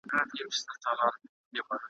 د زاهد له قصده راغلم د زُنار تر پیوندونو ,